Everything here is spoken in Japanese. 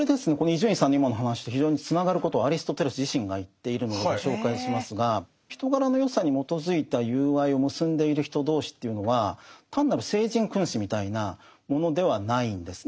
伊集院さんの今の話と非常につながることをアリストテレス自身が言っているのでご紹介しますが人柄の善さに基づいた友愛を結んでいる人同士というのは単なる聖人君子みたいなものではないんです。